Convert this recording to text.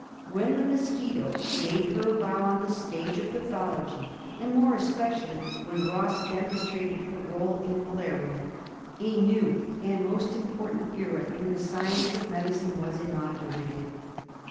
When the mosquito made her bow on the stage of pathology, and more especially when Ross demonstrated her role in malaria, a new and most im portant era in the science of medicine was inaugurated.